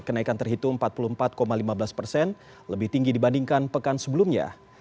kenaikan terhitung empat puluh empat lima belas persen lebih tinggi dibandingkan pekan sebelumnya